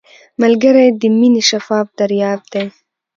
ملګری د مینې شفاف دریاب دی